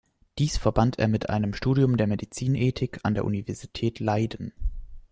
Dies verband er mit einem Studium der Medizinethik an der Universität Leiden.